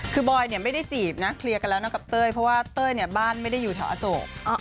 คือบอยเนี่ยไม่ได้จีบนะเคลียร์กันแล้วนะกับเต้ยเพราะว่าเต้ยเนี่ยบ้านไม่ได้อยู่แถวอโศก